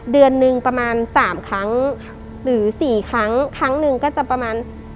เดือนหนึ่งประมาณสามครั้งหรือสี่ครั้งครั้งหนึ่งก็จะประมาณ